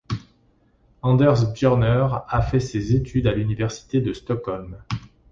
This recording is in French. Anders Björner a fait ses études à l'Université de Stockholm.